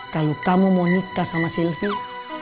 kalau kamu mau nikah sama sylvi